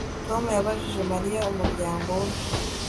Tom yabajije Mariya umuryango we